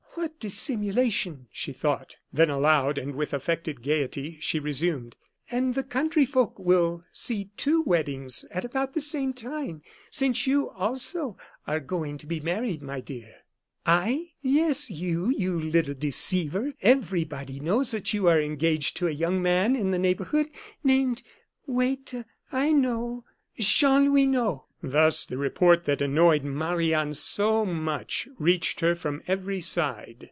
"What dissimulation!" she thought. Then aloud, and with affected gayety, she resumed: "And the country folks will see two weddings at about the same time, since you, also, are going to be married, my dear." "I!" "Yes, you, you little deceiver! Everybody knows that you are engaged to a young man in the neighborhood, named wait I know Chanlouineau." Thus the report that annoyed Marie Anne so much reached her from every side.